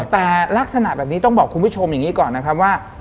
แต่ลักษณะแบบนี้ต้องบอกคุณผู้ชมอย่างนี้ก่อนนะครับว่า